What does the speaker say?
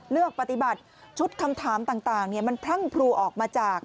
เลือกปฏิบัติชุดคำถามต่างมันพรั่งพลูออกมาจาก